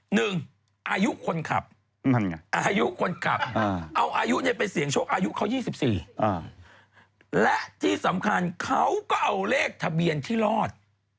อายุคนขับอายุคนขับเอาอายุไปเสี่ยงโชคอายุเขา๒๔และที่สำคัญเขาก็เอาเลขทะเบียนที่รอด